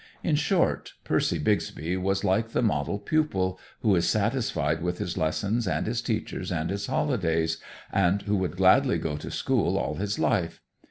In short, Percy Bixby was like the model pupil who is satisfied with his lessons and his teachers and his holidays, and who would gladly go to school all his life.